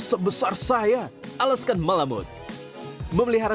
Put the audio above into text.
sebesar saya alaskan malammut memelihara